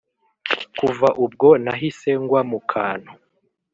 Kuva ubwo nahise ngwa mu kantu